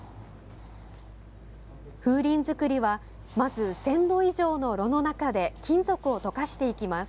風鈴づくりは、まず１０００度以上の炉の中で金属を溶かしていきます。